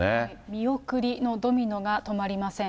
見送りのドミノが止まりません。